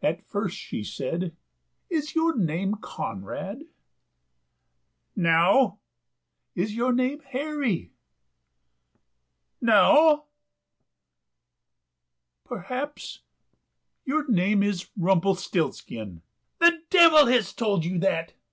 at first she said, "Is your name Conrad?" "No." "Is your name Harry?" "No." "Perhaps your name is Rumpelstiltskin?" "The devil has told you that!